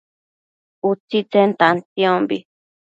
utsitsen tantiombi